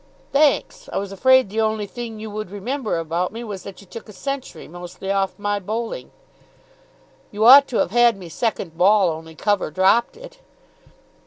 "Thanks. I was afraid the only thing you would remember about me was that you took a century mostly off my bowling." "You ought to have had me second ball, only cover dropped it."